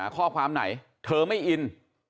ข้อความไหนเธอไม่อิน